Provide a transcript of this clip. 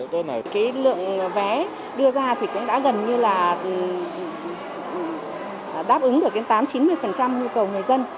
cái lượng vé đưa ra cũng đã gần như là đáp ứng được tám mươi chín mươi nhu cầu người dân